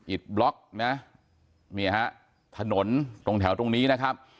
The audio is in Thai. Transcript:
บล็อกนะเนี่ยฮะถนนตรงแถวตรงนี้นะครับ